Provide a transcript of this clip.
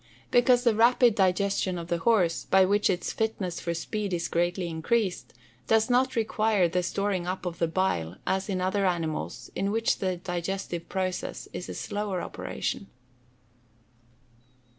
_ Because the rapid digestion of the horse, by which its fitness for speed is greatly increased, does not require the storing up of the bile as in other animals in which the digestive process is a slower operation.